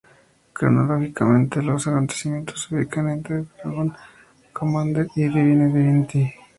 Cronológicamente los acontecimientos se ubican entre "Dragon Commander" y "Divine Divinity".